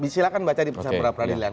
silahkan baca di proses peradilan